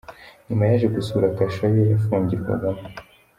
Nyuma yaje gusura kasho ye yafungirwagamo.